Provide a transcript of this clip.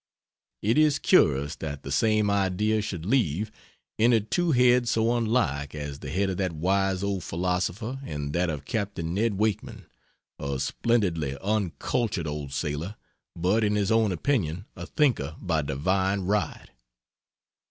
It is curious that the same idea should leave entered two heads so unlike as the head of that wise old philosopher and that of Captain Ned Wakeman, a splendidly uncultured old sailor, but in his own opinion a thinker by divine right.